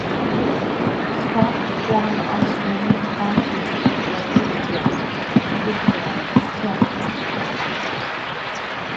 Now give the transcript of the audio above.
Scottish-born Australian politician Gregor McGregor was born in Kilmun.